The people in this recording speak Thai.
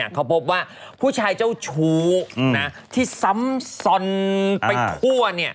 เขาพบว่าผู้ชายเจ้าชู้ที่ซ้ำซอนไปทั่ว